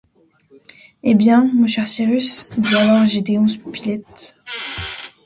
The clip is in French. Eh bien, mon cher Cyrus? dit alors Gédéon Spilett.